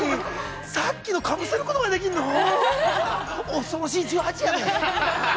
さっきのかぶせることまでできんの恐ろしい１８やね。